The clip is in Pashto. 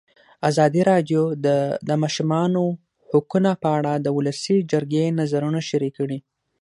ازادي راډیو د د ماشومانو حقونه په اړه د ولسي جرګې نظرونه شریک کړي.